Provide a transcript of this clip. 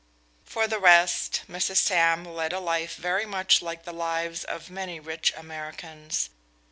For the rest, Mrs. Sam led a life very much like the lives of many rich Americans.